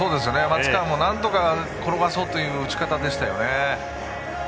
松川もなんとか転がそうという打ち方でしたね。